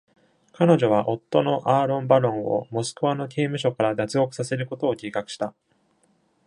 彼女は夫のアーロン・バロンをモスクワの刑務所から脱獄させることを計画した。